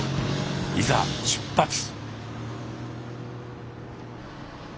いざ出発。